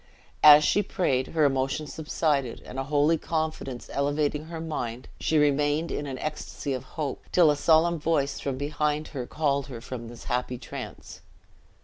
As she prayed, her emotion subsided and a holy confidence elevating her mind, she remained in an ecstasy of hope, till a solemn voice from behind her called her from this happy trance.